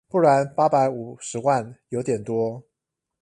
不然八百五十萬有點多